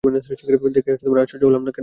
দেখে আশ্চর্য হলাম না কেন?